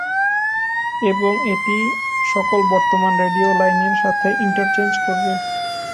এবং এটি সকল বর্তমান রেডিও লাইনের সাথে ইন্টারচেঞ্জ করবে।